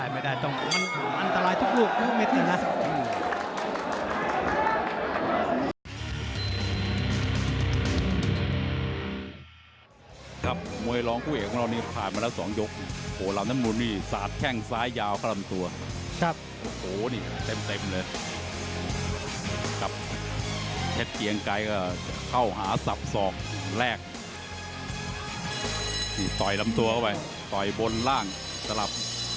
ไม่ได้ต้องมันอันตรายทุกลูกทุกลูกเม็ดหนึ่งครับ